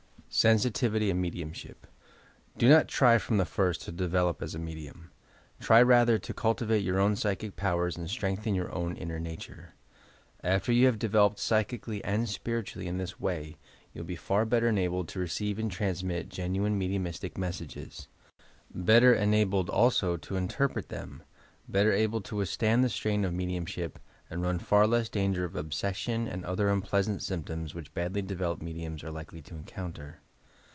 SENSITIVITT AND MEDIUMSHtP Do not try from the first to develop as a medium. Try rather to cultivate your own psychic powers and strengthen your own inner nature. After you have developed psychically and spiritually in this way, you will be far better enabled to receive and transmit gen 316 YOUR PSYCHIC POWERS m hm nine mediumistic messages, — better enabled also to interpret them, better able to withstand the strain of mediumship, and run far less danger of obsession and other unpleasant sjmptoiiis which badly developed me diums are liable to encounter.